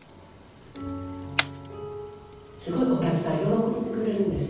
すごいお客さん喜んでくれるんですよね。